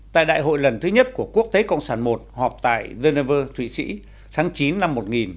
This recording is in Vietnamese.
tại đại hội lần thứ nhất của quốc tế cộng sản i họp tại geneva thụy sĩ tháng chín năm một nghìn tám trăm sáu mươi sáu